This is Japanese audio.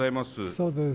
そうです。